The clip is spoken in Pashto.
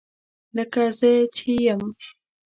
لکه زه چې یم